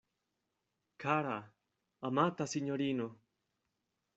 Kara, amata sinjorino!